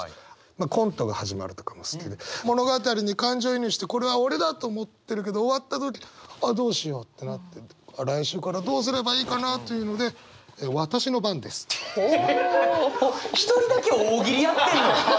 まあ「コントが始まる」とかも好きで物語に感情移入してこれは俺だと思ってるけど終わった時あっどうしようってなって来週からどうすればいいかなというので「わたしの番です」。一人だけ大喜利やってんのよ！